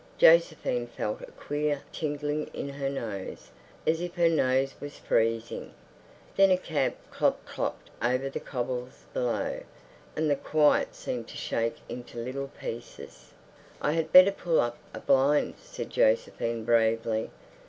Josephine felt a queer tingling in her nose, as if her nose was freezing. Then a cab klop klopped over the cobbles below, and the quiet seemed to shake into little pieces. "I had better pull up a blind," said Josephine bravely.